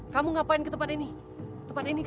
kamu ngapain ke tempat ini